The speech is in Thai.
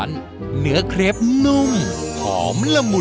ชิมคุณกอล์ฟ